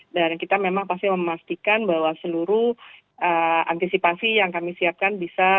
dan kita memang pasti memastikan bahwa seluruh antisipasi yang kami siapkan